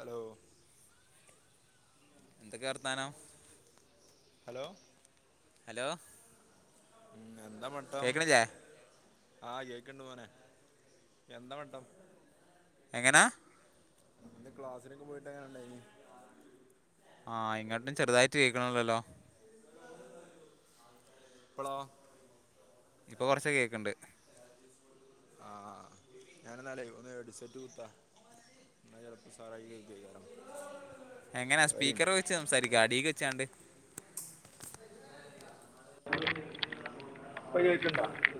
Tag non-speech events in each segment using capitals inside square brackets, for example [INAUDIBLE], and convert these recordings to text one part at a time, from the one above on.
Hello എന്തൊക്കെ വർത്താനം hello hello എന്താ പടുത്തം കേൾക്കണില്ലേ ആ കേക്കണ്ട് മോനെ എന്താ പടുത്തം എങ്ങനാ ഇന്ന് ക്ലാസിലൊക്കെ പോയിട്ട് എങ്ങാനുണ്ടാരുന്നു ആഹ് ഇങ്ങട്ട് ചെറുതായിട്ട് കേക്കണ്ള്ളല്ലോ ഇപ്പളോ ഇപ്പൊ കുറച്ചെ കേക്ക്ണ്ട് ആ ഞാന എന്നാലേ ഒന്ന് എഡ്സെറ്റ് കുത്ത ന ചെലപ്പ ഉസാറായി കേക്കയിക്കാരം എങ്ങനാ സ്പീക്കർ വെച്ച് സംസാരിക്ക അടീക്ക് വെച്ചാണ്ട് [INAUDIBLE]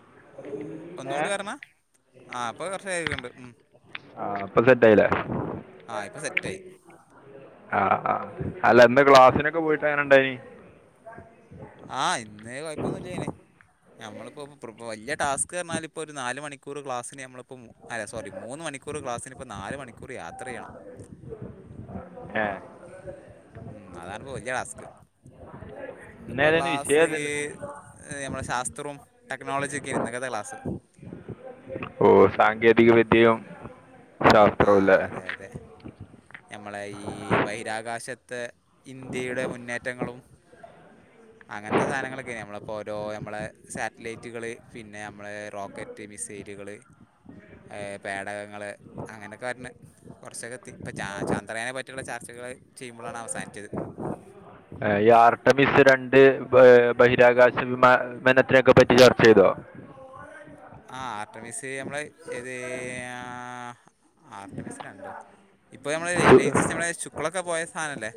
[UNINTELLIGIBLE] ഒന്നൂടി വർന്ന ആ പ്പോ കൊറച്ച് കേക്ക്ണ്ട് ആ പ്പോ സെറ്റ് ആയിലേ ആ ഇപ്പോൾ സെറ്റായി ആഹ ആ് അല്ലന്ന് ക്ലാസ്സിനൊക്കെ പോയിട്ടെങ്ങനെണ്ടായിനി ആ ഇന്ന് കെയപ്പൊന്നുല്ലയിനി ഞമ്മളിപ്പോ പൃപ്പം വല്ല്യ ടാസ്ക്ക് പറഞ്ഞാല് ഇപ്പോ ഒരു നാല് മണിക്കൂർ ക്ലാസ്സിന് ഞമ്മളിപ്പം അല്ല സോറി മൂന്ന് മണിക്കൂർ ക്ലാസ്സിന്പ്പം നാല് മണിക്കൂർ യാത്ര ചെയ്യണം ഏ ഉം അതാണ്പ്പോ വല്ല്യ ടാസ്ക് ഇന്നിപ്പോ ഇന്നേതായിരുന്നു വിഷയം ക്ലാസ്സ് ഏതായിരുന്നു ഞമ്മളെ ശാസ്ത്രം ടെക്നോളജി ഒക്കെന്ന് ഇന്നക്കത്തെ ക്ലാസ് ഓ സാങ്കേതിക വിദ്യയും ശാസ്ത്രവുംല്ലേ ഞമ്മളെ ഈ ബഹിരാകാശത്തെ ഇന്ത്യയുടെ മുന്നേറ്റങ്ങളും [UNINTELLIGIBLE] അങ്ങനത്തെ സാധനങ്ങളൊക്കെ യ്ന് ഞമ്മളപ്പോ ഓരോ അമ്മളെ സാറ്റലൈറ്റുകള് പിന്നെ അമ്മളെ റോക്കെ ടിവിസൈല് കൾ പേടകങ്ങള് അങ്ങനെയൊക്കെ വര്ണ് കൊറച്ചൊക്കെ എത്തി ഇപ്പം ചാ ചാന്ദ്രയാനെ പറ്റിള്ള ചർച്ചകൾ ചെയ്യുമ്പോഴാണ് അവസാനിച്ചത് ഈ ആർട്ടമിസ് രണ്ട് ബഹിരാകാശ വിമാമനത്തിനൊക്കെ പറ്റി ചർച്ച ചെയ്തോ ആ ആർട്ടമിസ് ഞമ്മള് ഏത് ആ ആർട്ടമിസ് രണ്ടോ ഇപ്പൊ ഞമ്മള് സു- ലേറ്റസ്റ്റ് ഞമ്മളെ ശുക്കളൊക്കെ പോയ സാധനല്ലേ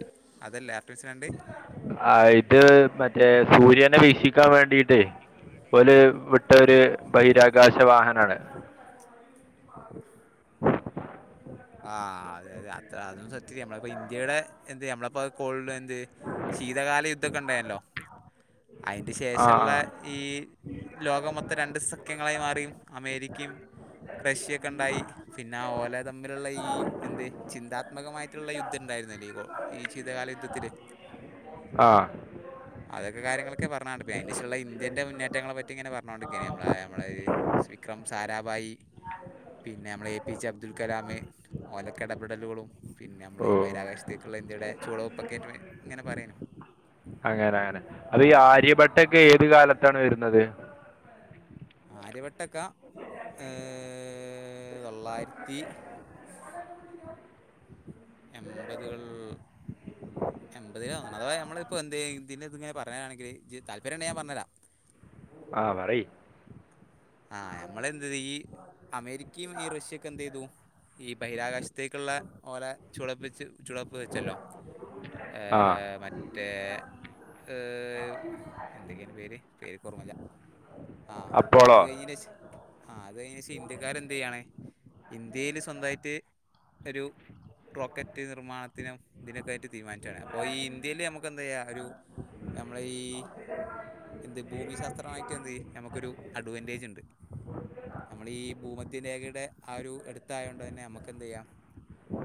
അതല്ലേ [UNINTELLIGIBLE] ആ ഇത് മറ്റേ സൂര്യനെ വീക്ഷിക്കാൻ വേണ്ടീട്ട് ഓല് വിട്ട ഒര് ബഹിരാകാശ വാഹനാണ് ആ അതെ അതെ അത് സത്യ നമ്മളപ്പോ ഇന്ത്യയുടെ എന്ത് നമ്മളപ്പോ കോൾഡ് എന്ത് ശീതകാല യുദ്ധക്കെണ്ടേന്ല്ലോ അയിന്റെ ആ ശേഷള്ളെ ഈ ലോകം മൊത്തം രണ്ട് സഖ്യങ്ങളായി മാറിയും അമേരിക്കയും റശ്യക്കെണ്ടായി പിന്നെ ആ ഓലെ തമ്മില്ള്ള ഈ എന്ത് ചിന്താത്മകമായിട്ട്ള്ള യുദ്ധം ണ്ടായിന്നല്ലേ ഇ ഈ ശീതകാല യുദ്ധത്തില് ആ അതൊക്കെ കാര്യങ്ങളൊക്കെ പറഞ്ഞാണ്ട് പെയ്ന്റിസ്‌റ്റ്ല്ള്ള ഇന്ത്യന്റെ മുന്നേറ്റങ്ങളെ പറ്റി ഇങ്ങെനെ പറഞ്ഞോണ്ട്ക്കെയ്ന് മ്മളെ മ്മളെ വിക്രം സാരാഭായി പിന്നെ അമ്മളെ A P J Abdul Kalam ഓലക്ക ഇടപെടലുകളും പിന്നെ അമ്മളെ ഓ ഈ ബഹിരാകാശത്തേക്ക് ള്ളെ ഇന്ത്യയടെ ചുവടെപ്പൊക്കെ ആയിറ്റ് ഇങ്ങനെ പറയാനു അങ്ങനങ്ങനെ അതെ ഈ ആര്യഭട്ടക്കെ ഏത് കാലത്താണ് വരുന്നത് ആര്യബട്ടെക്ക ഏ തൊള്ളായിരത്തി എമ്പപതുകൾ എമ്പത് ലാതോന്നണ് അതവാ ഞമ്മള്പ്പോ എന്ത് ഇതിന് ഇത് ഇങ്ങനെ പറയാനാണെങ്കിൽ താല്പര്യണേ ഞാൻ പറഞ്ഞര ആ പറയ് ആഹ് നമ്മളെന്ത് ഈ അമേരിക്കയും ഈ റഷ്യയൊക്കെ എന്ത് ചെയ്തു ഈ ബഹിരാകാശത്തേക്ക്ള്ളെ ഓല ചുളപ്പിച്ച് ചുളപ്പ് വെച്ചല്ലോ ഏ ആ മറ്റ് മറ്റേ ഏ എന്തൊക്കെന് പേര് പേര് ക് ഓർമല്ല ആ അത് അപ്പോളോ കഴിഞ്ഞേന്റേഷം ആഹ് അത് കഴിഞ്ഞേന്റേഷംഇന്ത്യക്കാരെ എന്തയ്യാണ് ഇന്ത്യയില് സ്വന്തയിറ്റ് ഒരു റോക്കറ്റ് നിർമ്മാണത്തിനും തിനൊക്കെ ആയിട്ട് തീരുമാനിച്ചതാണ് അപ്പൊ ഈ ഇന്ത്യയിയില് അമ്മക്ക് എന്ത്ചെയ്യ ഒരു ഞമ്മള ഈ എന്ത് ഭൂമി ശാസ്ത്രമായിട്ട് എന്ത് നമുക്കൊരു അഡ്വാൻറ്റേജ് ഉണ്ട് നമ്മളീ ഭൂമധ്യ രേഖയുടെ ആ ഒരു എടുത്തായതുകൊണ്ട് തന്നെ നമുക്ക് എന്ത് ചെയ്യാം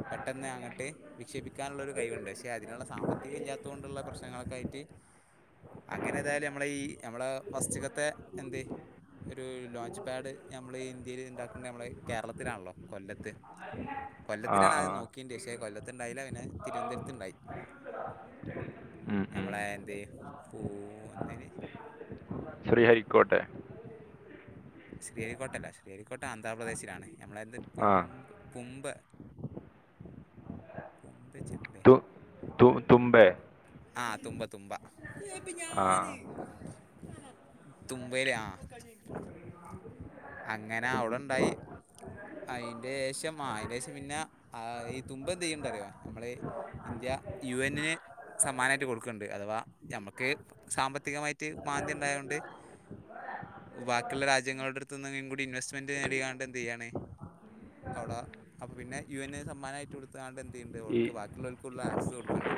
പെട്ടെന്ന് അങ്ങട്ട് വിക്ഷേപിക്കാനുള്ളരു കൈവുണ്ട് പക്ഷെ അതിനുള്ള സാമ്പത്തിക ഇല്ലാത്ത കൊണ്ടുള്ള പ്രശ്നങ്ങളൊക്കെ ആയിട്ട് അങ്ങനെ തായാലും നമ്മളെ ഈ നമ്മളെ ഫസ്റ്റിലാത്തെ എന്തെയ് ഒരു ലോഞ്ച് പാഡ് നമ്മൾ ഇന്ത്യയിൽ ഉണ്ടാക്കുന്നു നമ്മളെ കേരളത്തിലാണല്ലോ കൊല്ലത്ത് ആ കൊല്ലത്തിലാണ് ആ ആദ്യം നോക്കിയണ്ട് പക്ഷെ കൊല്ലത്തുണ്ടായില്ല പിന്നെ തിരുവനന്തപുരത്തുണ്ടായി ഉം, ഉം. ഞമ്മളെ എന്ത് പൂ എന്തെന്ന് ക്കോട്ടെ ശ്രീഹരിക്കോട്ടല്ല ശ്രീഹരിക്കോട്ട ആന്ധ്രാപ്രദേശിലാണ് നമ്മളന്ത് ആ പുമ് പുമ് മ്പ് ഉപ്പ് ചെമ്പെ തു തു തുമ്പെ ആഹ് തുമ്പ തുമ്പ ആ [UNINTELLIGIBLE] തുമ്പയില് ആ അങ്ങനെ തു- അവിടെണ്ടായി അയിന്റെ ശേഷം ആ അതിന്റെ ശേഷം പിന്നെ ആ ഈ തുമ്പ എന്ത് ചെയ്യുന്നുണ്ട് അറിയോ നമ്മള് ഇന്ത്യ യു എനിനെ സമ്മാനമായിട്ട് കൊടുക്കുന്നുണ്ട് അഥവാ നമ്മക്ക് സാമ്പത്തികമായിട്ട് മാന്തി ഉണ്ടായ തൊണ്ട് ബാക്കിയുള്ള രാജ്യങ്ങളുടെ അടുത്തുനിന്നും കൂടിൻവെസ്മെൻറ്റ്റ് നേടാണ്ട് എന്ത് ചെയ്യണേ അവിടെ അപ്പൊ പിന്നെ യ എ സമ്മാനമായിട്ട് കൊടുതാണ്ട് എന്തു ഈ ഉണ്ട്ടുക്ക് ബാക്കിയുള്ളവർക്ക് ഉള്ള ആക്സസ് കൊടുക്കുണ്ട്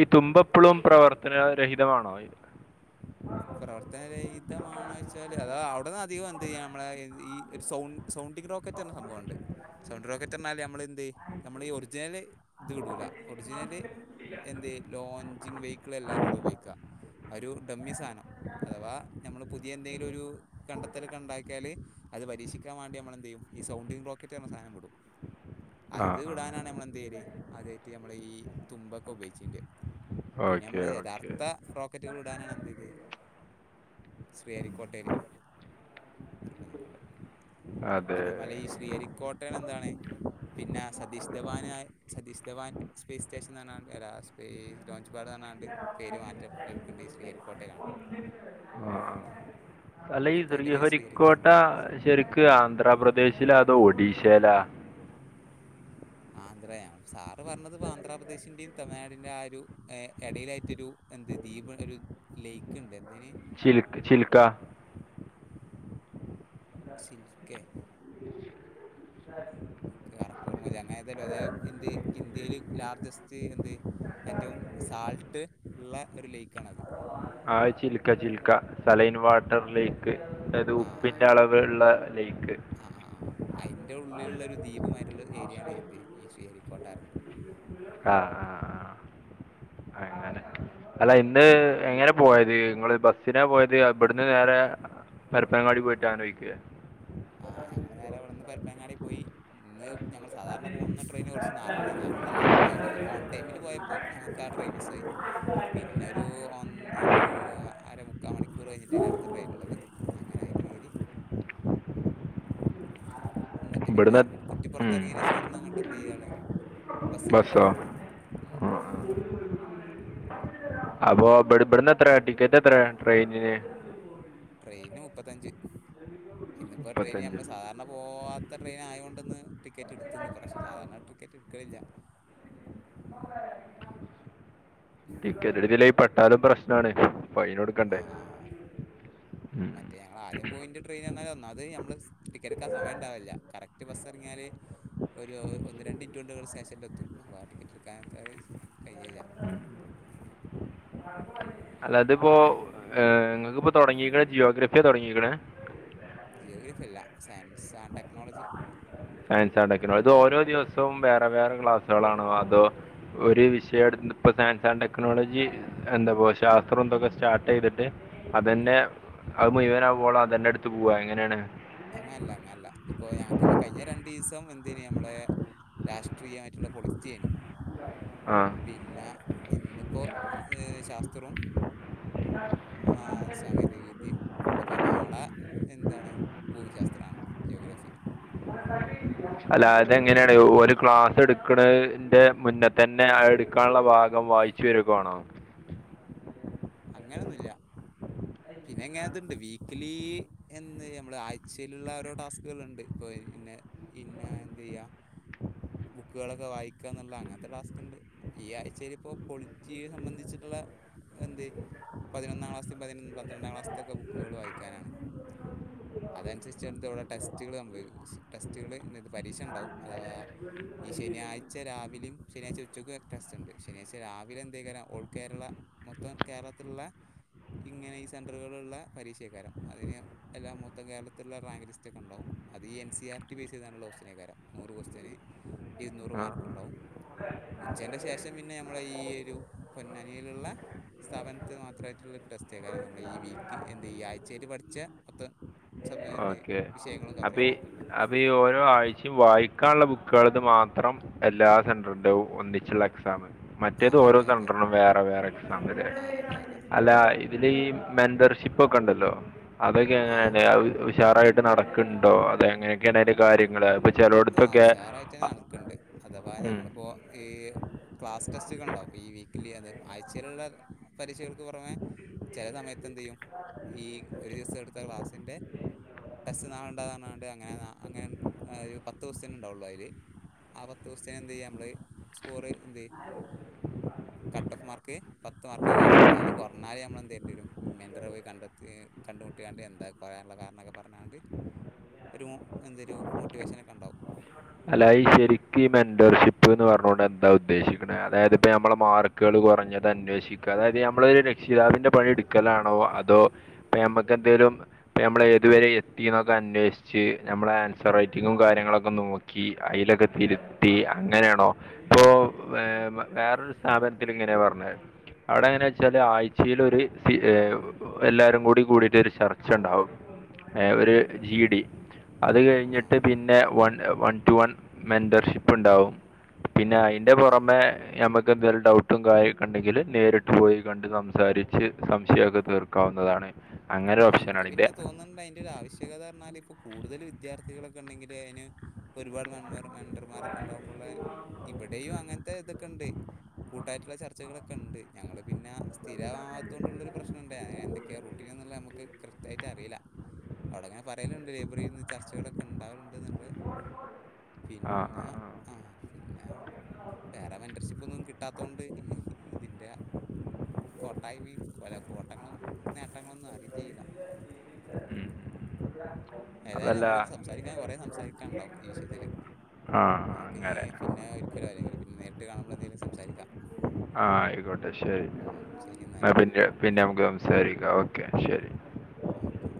ഈ തുമ്പപ്പളും പ്രവർത്തനരഹിതമാണോ ഇത് പ്രവർത്തനരഹിതമാണോ വെച്ചാല് അത അവിടന്ന് അധികം എന്ത് ചെയ്യൻ നമ്മളെ ഈ ഒരു സൗണ്ട് സൗണ്ടിംഗ് റോക്കറ്റ് എന്ന സംഭവമുണ്ട് സൗണ്ട് റോക്കറ്റ് പറഞ്ഞാൽ നമ്മള് എന്ത് നമ്മള് ഈ ഒറിജിനല് ഇത് വിടൂല ഒറിജിനല് എന്ത് ലോഞ്ചിങ് വെഹിക്കിള് എല്ലാം അവിടെ ഉപയോഗിക്കുക ഒരു ഡമ്മി സാധനം അഥവാ നമ്മള് പുതിയ എന്തെങ്കിലും ഒരു കണ്ടെത്തലൊക്ക ഉണ്ടാക്കിയാല് അത് പരീക്ഷിക്കാൻ വേണ്ടി നമ്മളെന്തെയ്യും ഈ സൗണ്ടിംഗ് റോക്കറ്റ് പറിണ സാധനം വിടും ആ അത് ആ വിടാനാണ് നമ്മള് എന്തു ചെയല് അതായിട്ട് നമ്മള് ഈ തുമ്പൊക്കെ ഉപയോഗിച്ചിരുന്നത് പിന്നെ ഓക്കെ നമ്മള് ഓക്കെ യഥാർത്ഥ റോക്കറ്റുകൾ ഇടാനാണ് എന്ത്തേത് ശ്രീഹരിക്കോട്ടൽ നിർബന്ധിക്കുണ്ട് അതെ അദ്യേ മലേശ ശ്രീഹരിക്കോട്ടകള് എന്താണ് പിന്നെ സതീഷ് ധവനായ സതീഷ് ധവാൻ സ്പേസ് സ്റ്റേഷൻ എന്നാണ്സ്ം അപ്പോൾ ഈ ലോഞ്ച് പാട് പറഞ്ഞാണ്ട് പേര് മാറ്റം ലഭിക്കേണ്ട ഈ ശ്രീഹരിരിക്കോട്ടയിലാണ് ആ ആ. അല്ല ഈ ഇപ്പം അതിൻ്റെ പേര് ശ്രീഹരിക്ക എന്ത് ശ്രീഹരിക്കോട്ട ശെരിക്ക് ആന്ധ്രാപ്രദേശിലോ അതോ ഒഡീഷയിലാ ആന്ധ്രയാണ് സാറ് പറഞ്ഞത് ഇപ്പ ആന്ധ്രാപ്രദേശിന്റെയും തമിഴ്നാടിന്റെറെയും ആ ഒരു ഇടയിലായിട്ടൊരു എന്ത് ദീപ് ഒരു ലൈക്ക് ഉണ്ട് എന്തതിന് ചിൽ ചിൽക്ക സില്ക്കെ കറക്റ്റ് ഓർമ്മ അങ്ങനെ ഏതായാലും ഏതായാലും എന്ത് ഇന്ത്യയിൽ ലാർജസ്റ്റ് എന്ത് ഏറ്റവും സാൾട്ട് ഉള്ള ഒരു ലേക്കാണത് ആ Chilka Chilka saline water lake അതായത് ഉപ്പിന്റെ അളവ് വുള്ള ലൈക്ക് ആഹ് ആഹ് ആ അതിൻ്റെ ഉള്ളിലുള്ള ഒരു ദ്വീപുമായിട്ടുള്ള ഒരു ഏരിയാണ് ഏത് ഈ ശ്രീഹരിക്കോട്ട ആഹ് അല്ല ഇന്ന് എങ്ങനെ പോയത് നിങ്ങള് ബസ്സിന പോയത് ഇവിടുന്ന് നേരെ പപ്പങ്ങാടി പോയിട്ട് ആനോയിക്കുവ ആ ഞങ്ങള് നേരെ വിടന്ന് പരിപ്പങ്ങാടി പോയി ഇന്ന് ഞങ്ങൾ സാധാരണ പോകുന്ന ട്രെയിൻ കുറച്ച് നാർത്ത നാർത്തല്ല അതിന്റെ ഓൺ ടൈമില് പോയപ്പോ അപ്പോൾ ഞങ്ങൾക്ക് ആ ട്രയിൻ മിസ്സായി പിന്നെരു ഒന്ന ഒരു അര മുുക്കാ മണിക്കൂർ കഴിഞ്ഞിട്ടാണ് അടുത്ത ട്രെയിൻ ഉള്ളത് അങ്ങനെ അതിൽ കയറി എന്നിട്ട് പിന്നെ ഇവിടുന്ന് ഉം. കുറ്റിപ്പറത്ത്റങ്ങിയതിനേഷവ്ടന്ന്ങ്ങട്ട് എന്തിയ്യാണ് ബസ്സിന് പോയി. ബസ്സോ ം ആ, ആ. അപ്പൊ ബട് ബ്ട്ന്നെത്രെ ടിക്കറ്റ് എത്രെ ട്രെയിനിന്? ട്രെയിന് മുപ്പത്തഞ്ച് ഇന്ന്പ്പോ ട്രെയിന് മുപ്പത്തഞ്ച് നമ്മള് സാധാരണ പോവാ അത്ര ട്രെയിൻ ആയത [UNINTELLIGIBLE] യോണ്ട്ന്ന് ടിക്കറ്റ്ട്ത്ത്ന്ന് പക്ഷെ സാധാരണ ടിക്കറ്റ് ട്ക്കലില്ല. ടിക്കറ്റ്ട്ത് ലെങി പട്ടാലും പ്രശ്നാണ്. ഫയിനൊട് ആ ആഹ് മറ്റേ ഞങ്ങളാദ്യം പോയിൻ്റെ ട്രെയിനാലെന്നു അത് ഞമ്മള് ടിക്കറ്റ്ട്ക്കാ സമയംണ്ടാവല്ലാ കറക്റ്റ് മറ്റേ ബസ്സർങ്ങാല് ഒരു ഒന്ന് രണ്ട് മിനിറ്റൊണ്ട് സ്റ്റേഷനിലെത്തും അപ്പോ ആ ടിക്കറ്റ്ട്ക്കാൻ കയില്ല അല്ലാത്പ്പോങ്ങ്ക്ക്പ്പോ തുടങ്ങീക്ക്ണ ജിയോഗ്രഫ്യാ തൊടങ്ങീക്ക്ണ്. ജിയോഗ്രാഅല്ലഫ്യല്ല സയൻസ് ആൻഡ് ടെക്നോളജി. സയൻസാഡ്ടെക്ക്നോളജി ഇത് ഓരോ ദിവസവും വേറെ വേറെ ക്ലാസ്സുകളാണോ അതോ ഒരു വിഷയടു പ്പൊ സയൻസ് ആൻഡ് ടെക്നോളജി എന്താപ്പോ ശാസ്ത്രോന്തൊക്കെ സ്റ്റാർട്ടെ യ്തിട്ട് അതന്നെ അത് മുഴവനാകോള. അതന്നെ ടത്ത് പോവാ അങ്ങനെണ്. അങ്ങൻല്ല അങ്ങൻല്ല ഇത്പ്പോ ഞങ്ങക്ക്പ്പോ കഴിഞ്ഞ രണ്ടീ സം എന്തീന്ന് ഞമ്മളെ രാഷ്ട്രീയായിട്ട്ള്ള പൊളിറ്റീര്ന്നു. ആ പിന്നെ ഇന്നിപ്പോ അ് ശാസ്ത്രോം ആഹ് സാങ്കേതികവിദ്യീം ഞിപ്പോ നാളെ എന്താണ്. ഭൂമിശാസ്ത്രാണ് ജിയോഗ്രഫി ഉ [UNINTELLIGIBLE] അല്ല അതെങ്ങനെണ് ഒരു ക്ലാസെട്ക്കണിന്റെ മുന്നേ തന്നെ അതെട്ക്കാനുള്ള ഭാഗം വായിച്ചു ചുരുക്കാണോ? അങ്ങനൊന്നുല്ല. പിന്നെങ്ങനെത്ണ്ട് വീക്കലി എന്ന് ഞമ്മളെ ആഴ്ചീലുള്ള ഓരോ ടാസ്കുള്ണ്ട് ഇപ്പോ പിന്നെ പിന്നെ എന്തിയ്യ ബുക്കുകളൊക്കെ വായിക്കാ ന്ന്ള്ള അങ്ങൻത്തെ ടാസ്ക്ണ്ട്. ഈ ആഴ്ചീല് പ്പൊ പൊളിറ്റി സംബന്ധിച്ചിട്ട്ള്ള എന്ത് പതിനൊന്നാം ക്ലാസ്ത്തീം പതിനൊന്ന് പന്ത്രണ്ടാം ക്ലാസ്തെക്കെ ബുക്ക്കള് വായിക്കാനാണ്. അതനുരിച്ചാണ് വ്ടെ ടെസ്റ്റ്കൾ സംഭവി ടെസ്റ്റുകള് പരീക്ഷ ണ്ടാവും അഥവാ ഈ ശനിയാഴ്ച രാവിലിം ശനിയാഴ്ച ഉച്ചയ്ക്കും ഒരോ ടസ്റ്റ്ണ്ട് ശനിയാ്ച രാവിലെ എന്തെക്കാരം ഓൾ കേരള മൊത്തം കേരളത്തിലുള്ള ഇങ്ങനെ ഈ സെന്ററുകളുള്ള പരീക്ഷെകാരം. അതിന് എല്ലാ മൊത്തം കേരളത്തിലുള്ള റാങ്ക് ലിസ്റ്റ് ഒക്കെ ഉണ്ടാവും. അത് ഈ എൻ സി ആർടി ബേയ്സീതാണ്ട്ള്ള കേസ്റ്റ്യനാകാരം ഇരുന്നൂറ് ആ മാർക്ക്ണ്ടാവും ഉച്ചന്റെ ശേഷം പിന്നെ നമ്മുളെ ഈ ഒരു പൊന്നാനീലുള്ള സെവൻത്ത് മാത്രമായിട്ടുള്ളൊരു ടെസ്റ്റക്ക കാരം നമ്മൾ ഈ വീക്ക് എന്ത് ഈ ആഴ്ചീല് പഠിച്ച മൊത്തം സബ [UNINTELLIGIBLE] എന്ത് വിഷയങ്ങളും കവറീതാണ്ട്ള്ള അപ്പൊ ഈ ഓരോ ആഴ്ചീം വായിക്കാൻള്ള ബുക്കുളത് മാത്രം എല്ലാ സെന്ററിന്റതും ഒന്നിച്ചുള്ള എക്സമ് ആ മറ്റേത് ഓരോ അതെ അതെ സെൻട്രനും വേറെ വേറെ എക്സാമ് ലെ ആ അതെ അതെ ഇത് ല്ഈ മെമ്പർഷിപ്പൊക്കെ ണ്ടല്ലോ അതൊക്കെ ആ എങ്ങനെ? ഷാറായിട്ട് നടക്ക്ണ്ണ്ണ്ടോ അതെങ്ങനെക്കെണയിൻ്റെ കാര്യങ്ങള്. അത്പോ ആ ഉഷാറായിട്ടെനെനടക്ക്ണ്ണ്ട് അഥവാ ഉം ഞങ്ങളിപ്പോ ഈ ക്ലാസ് ടെസ്റ്റക്കണ്ടാവും ഈ വീക്കലി അത് ആഴ്ചയിലുള്ള പരീക്ഷകൾക്ക് പൊറമേ ചെല സമയത്ത് എന്തിയ്യും ഈ ഒരു ദിവസം എടുത്ത ക്ലാസ്സിന്റെ ടെസ്റ്റ് നാളണ്ടാന്നറണ്ട് അങ്ങനെ ഒരു പത്ത് പത്ത് കൊസ്റ്റിയൻ ഉണ്ടാവുള്ളൂ അയിൽ ആ പത്ത് കൊസ്റ്റിയൻ എന്തയ്യ നമ്മൾ സ്കോറ് എന്ത [INAUDIBLE] കട്ട് ഓഫ് മാർക്ക് പത്ത് മാർക്ക് കേയ്ക്കാരം അതിൽ കുറഞ്ഞാൽ നമ്മലെന്ത്ചെയ്യേണ്ടരും മെന്ററെ പോയി കണ്ടെത്തി കണ്ടുമുട്ടിയാണ്ട് എന്താ കുറയാനുള്ള കാരണം ന്നൊക്കെ പറഞ്ഞാണ്ട് ഒരു എന്തൊരു മോട്ടിവേഷനൊക്കെണ്ടാവും അല്ലാ ശരിക്കും ഈ മെന്റർഷിപ്പ് എന്നത് പറഞ്ഞത്കൊണ്ട് എന്താ ഉദ്ദേശിക്കുന്നത് അതായത് ഇപ്പം നമ്മളെ മാർക്ക് ക്കുകൾ കുറഞ്ഞത് അന്വേഷിക്കുക അതായത് നമ്മള് ഒരു രക്ഷിതാവിന്റെ പണിയെടുക്കലാണോ അതോ പ്പ ഞമക്ക് എന്തേലും ഇപ്പം നമ്മള് ഏതുവരെ എത്തിന്നൊക്കെ അന്വേഷിച്ച് നമ്മള് ആൻസർ റൈറ്റിങ്ങും കാര്യങ്ങളൊക്കെ നോക്കി ക്കി അയിലൊക്കെ തിരുത്തി അങ്ങനെയാണോ? ഇപ്പൊ വേറൊരു സ്ഥാപനത്തിലിങ്ങനെയാ പറഞ്ഞത് അവിടെ എങ്ങനാച്ചാല് ആഴ്ചൽ ഒരു എല്ലാരും കൂടി കൂടിട്ടരു ചർച്ചണ്ടാവും ഒരു ജി ഡി അത് ആ കഴിഞ്ഞിട്ട് പിന്നെ one one to one mentorship ഉണ്ടാവും പിന്നെ അയിന്റെ ആ പുറമെ ഞമ്മക്ക് എന്തേലും ഡൗട്ട് ട്ടും കാര്യക്കണ്ടെങ്കിൽ നേരിട്ട് പോയി കണ്ട് സംസാരിച്ച് സംശയാക്കെ തീർക്കാവുന്നതാണ്. അങ്ങനെ ആഹ് എനിക്ക് ഓപ്ഷനാണ് ഇത് പിന്നെ തോന്നുന്നുണ്ട് അതിന്റെ ഒരു ആവശ്യകതറഞ്ഞാൽ ഇപ്പൊ കൂടുതൽ വിദ്യാർത്ഥികളൊക്കെ ണ്ടെങ്കില് അതിന് ഒരുപാട് മെൻ മെന്റർമാരൊക്കെ ഉണ്ടാകുമ്പോള്ള ഇവിടെയും അങ്ങനത്തെ ഇതൊക്കെ ഉണ്ട് കൂട്ടായിട്ടുള്ള ചർച്ചകളൊക്കെ ക്കെണ്ട് ഞങ്ങൾ പിന്നെ സ്ഥിരമാവാതൊണ്ടുള്ളരു പ്രശ്നണ്ട് എന്തൊക്കെയാണ് റുട്ടീൻ എന്നുള്ളത് നമുക്ക് കൃത്യമായിട്ട് റ്റ് അറില്ല അവിടെ അങ്ങനെ പറയലുണ്ട് ലൈബ്രറിയിൽ നിന്ന് ചർച്ചകളൊക്കെ ണ്ടാവലുണ്ട് എന്നുള്ളത് ആ ആ, പിന്നെ ആ. ആഹ് പിന്നെ വേറെ മെന്റർഷിപ്പന്നും കിട്ടാതൊണ്ട് ഇതിന്റെ കൊട്ടായ്മയും കൊല കോട്ടങ്ങളും നേട്ടങ്ങളൊന്നും അറിയും ചെയില്ല ഉം ഏതായാലും അതല്ല നമ്മൾ സംസാരിക്കാൻ കുറെ സംസാരിക്കാണ്ടാവും ഈ വിഷയത്തില് ആ ഞമക്കിനി അങ്ങനെ പിന്നെ ക്കലോ അല്ലെങ്കിൽ പിന്നെ നേരിട്ട് കാണുമ്പോൾ എന്തേലും സംസാരിക്കാം. ആഹ് ആയിക്കോട്ടെ ശരി ഉം, ശരി എന്നാൽ ആ പിന്നെ പിന്നെ നമുക്ക് സംസാരിക്കാം ഓക്കെ ശരി ഓക്കെ